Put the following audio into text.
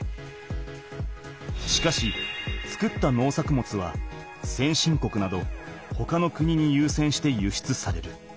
しかし作った農作物は先進国などほかの国にゆうせんして輸出される。